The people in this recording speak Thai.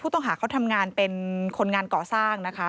ต้องหาเขาทำงานเป็นคนงานก่อสร้างนะคะ